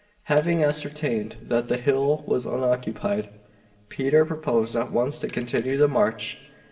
Having ascertained that the hill was unoccupied, Peter proposed at once to continue the march.